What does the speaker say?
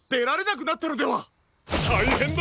たいへんだ！